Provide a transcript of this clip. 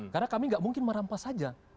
karena kami tidak mungkin merampas saja